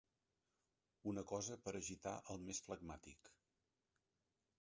Una cosa per agitar el més flegmàtic.